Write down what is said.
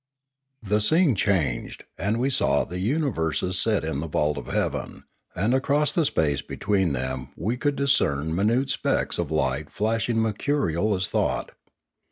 The scene changed, and we saw universes set in the vault of heaven, and across the space between them we could discern minute specks of light flashing mercurial as thought.